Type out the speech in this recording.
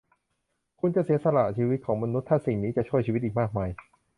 คุณจะเสียสละชีวิตของมนุษย์ถ้าสิ่งนี้จะช่วยชีวิตอีกมากมาย ?